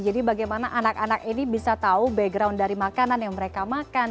jadi bagaimana anak anak ini bisa tahu background dari makanan yang mereka makan